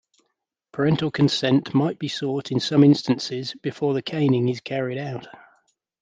Parental consent might be sought in some instances before the caning is carried out.